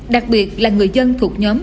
đặc biệt là người dân thuộc nhóm